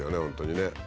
本当にね。